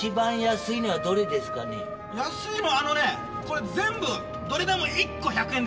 安いのあのねこれ全部どれでも１個１００円です。